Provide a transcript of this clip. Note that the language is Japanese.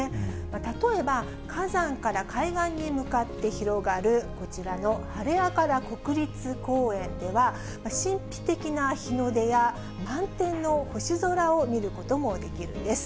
例えば、火山から海岸に向かって広がる、こちらのハレアカラ国立公園では、神秘的な日の出や、満天の星空を見ることもできるんです。